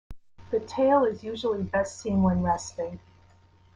The tail is usually best seen when resting.